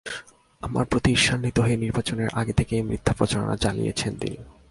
আমার প্রতি ঈর্ষান্বিত হয়ে নির্বাচনের আগে থেকেই মিথ্যা প্রচারণা চালিয়েছেন তিনি।